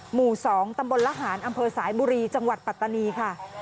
หมู่๒ตำบลละหารอำเภอสายบุรีจังหวัดปัตตานีค่ะ